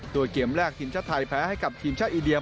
โดยเกมแรกทีมชาติไทยแพ้ให้กับทีมชาติอินเดีย